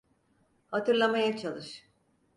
Hatırlamaya çalış.